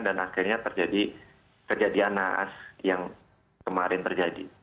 dan akhirnya terjadi kejadian naas yang kemarin terjadi